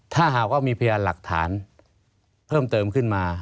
ถ้าหากว่ามีพยานหลักฐานเพิ่มเติมขึ้นมา